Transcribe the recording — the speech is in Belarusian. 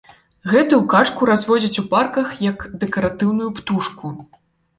Гэтую качку разводзяць у парках як дэкаратыўную птушку.